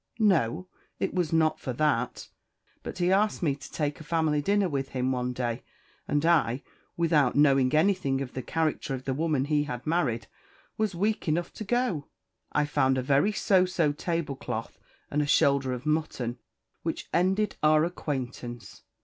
"No it was not for that; but he asked me to take a family dinner with him one day, and I, without knowing anything of the character of the woman he had married, was weak enough to go. I found a very so so tablecloth and a shoulder of mutton, which ended our acquaintance.